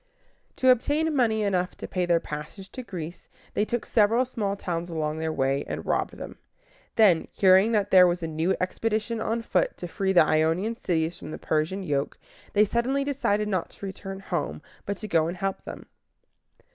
To obtain money enough to pay their passage to Greece, they took several small towns along their way, and robbed them. Then, hearing that there was a new expedition on foot to free the Ionian cities from the Persian yoke, they suddenly decided not to return home, but to go and help them.